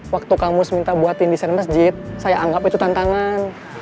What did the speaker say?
waktu kang mus minta buatin desain masjid saya anggap itu tantangan